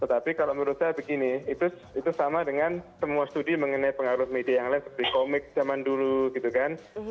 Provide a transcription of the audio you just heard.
tetapi kalau menurut saya begini itu sama dengan semua studi mengenai pengaruh media yang lain seperti komik zaman dulu gitu kan